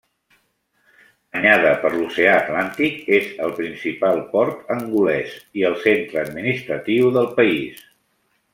Banyada per l'oceà Atlàntic, és el principal port angolès i el centre administratiu del país.